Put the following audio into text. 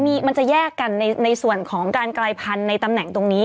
มันจะแยกกันในส่วนของการกลายพันธุ์ในตำแหน่งตรงนี้